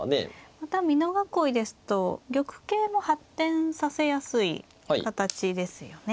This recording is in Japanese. また美濃囲いですと玉形も発展させやすい形ですよね。